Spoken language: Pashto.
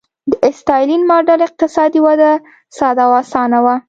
د ستالین ماډل اقتصادي وده ساده او اسانه وه.